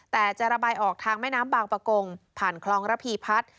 แต่จะระบายออกทางแม่น้ำบางประกงผ่านคลองระพีพัฒน์